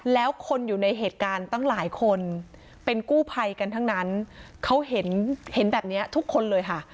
แล้วคนอยู่ในเหตุการณ์ตั้งหลายคนเป็นกู้ภัยกันทั้งนั้นเขาเห็นเห็นแบบนี้ทุกคนเลยค่ะ